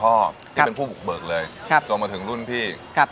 ครับที่เป็นผู้บุกเบิกเลยครับตรงมาถึงรุ่นพี่ครับ